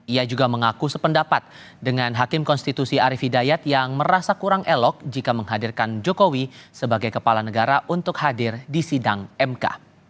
ia juga mengaku sependapat dengan hakim konstitusi arief hidayat yang merasa kurang elok jika menghadirkan jokowi sebagai kepala negara untuk hadir di sidang mk